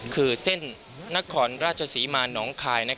คือเส้นนครราชศรีมาหนองคาย